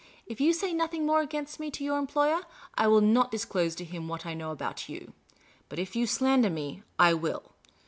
If you say nothing more against me to your employer, I will not disclose to him what I know about you. But if you slander me, I will.